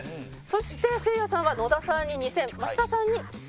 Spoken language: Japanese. そしてせいやさんは野田さんに２０００松田さんに１０００ＢＥＴと。